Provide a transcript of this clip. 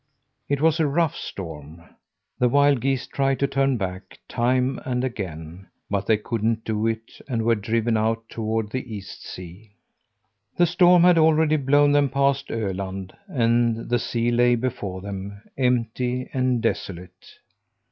It was a rough storm. The wild geese tried to turn back, time and again, but they couldn't do it and were driven out toward the East sea. The storm had already blown them past Öland, and the sea lay before them empty and desolate.